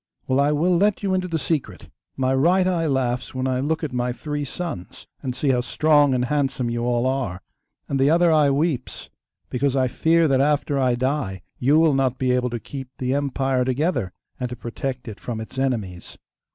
Well, I will let you into the secret. My right eye laughs when I look at my three sons, and see how strong and handsome you all are, and the other eye weeps because I fear that after I die you will not be able to keep the empire together, and to protect it from its enemies.